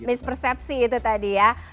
mispersepsi itu tadi ya